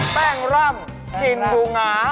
แป้งร่ำกลิ่นดูหงา